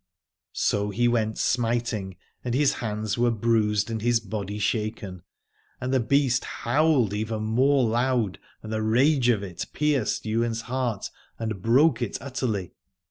So he went smiting, and his hands were bruised and his body shaken : and the Beast howled even more loud and the rage of it pierced Ywain's heart and broke it utterly.